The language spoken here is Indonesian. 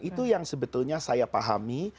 itu yang sebetulnya saya pahami